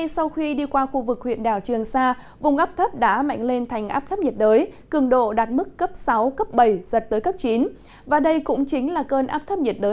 xin chào và hẹn gặp lại trong các bản tin tiếp theo